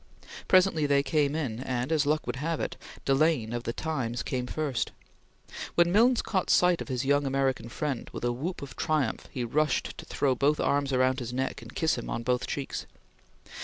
Presently they came in, and, as luck would have it, Delane of the Times came first. When Milnes caught sight of his young American friend, with a whoop of triumph he rushed to throw both arms about his neck and kiss him on both cheeks.